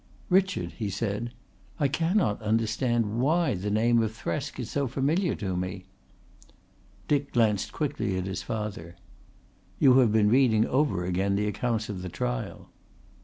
"Richard," he said, "I cannot understand why the name of Thresk is so familiar to me." Dick glanced quickly at his father. "You have been reading over again the accounts of the trial."